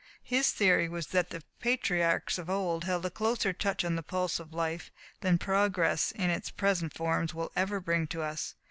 His theory was that the patriarchs of old held a closer touch on the pulse of Life than progress in its present forms will ever bring to us.